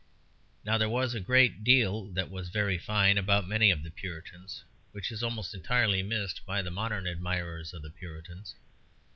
Now, there was a great deal that was very fine about many of the Puritans, which is almost entirely missed by the modern admirers of the Puritans.